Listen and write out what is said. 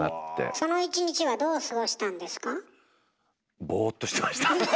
その一日はどう過ごしたんですか？